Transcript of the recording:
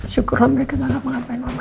syukurlah mereka gak ngapa ngapain mama